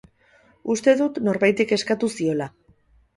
Uste dut norbaitek eskatu ziola.